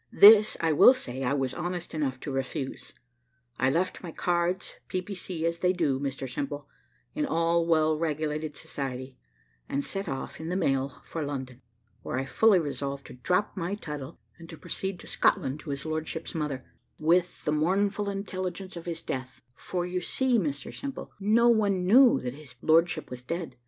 This, I will say, I was honest enough to refuse. I left my cards, PPC, as they do, Mr Simple, in all well regulated society, and set off in the mail for London, where I fully resolved to drop my title, and to proceed to Scotland to his lordship's mother, with the mournful intelligence of his death for you see, Mr Simple, no one knew that his lordship was dead.